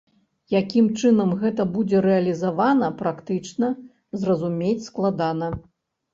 Якім чынам гэта будзе рэалізавана практычна, зразумець складана.